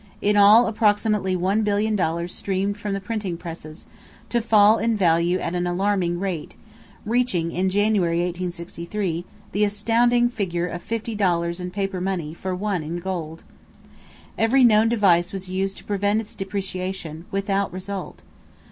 In all approximately one billion dollars streamed from the printing presses, to fall in value at an alarming rate, reaching in January, 1863, the astounding figure of fifty dollars in paper money for one in gold. Every known device was used to prevent its depreciation, without result.